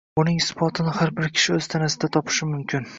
Buning isbotini har bir kishi o’z tanasida topishi mumkin.